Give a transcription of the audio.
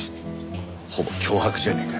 ほぼ脅迫じゃねえか。